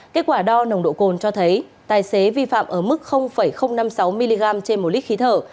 kết quả đo nồng độ cồn cho thấy tài xế vi phạm ở mức năm mươi sáu mg trên một lít khí thở